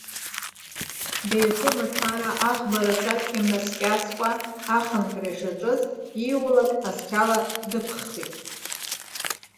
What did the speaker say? Деихо мацара, аӷба рацәак имнаскьацкәа ахынҳәра ишаҿыз, ииулак асқьала днықәыххит.